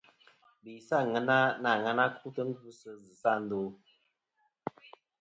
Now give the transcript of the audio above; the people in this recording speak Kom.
Be sɨ àŋena na aŋena kutɨ ngvɨsɨ zɨsɨ a ndo.